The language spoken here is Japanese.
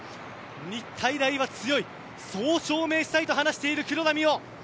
日体大は強いそう証明したいと話している黒田。